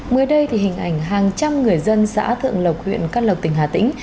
mới đây thì hình ảnh hàng trăm người dân xã thượng lộc huyện căn lộc tỉnh hà tĩnh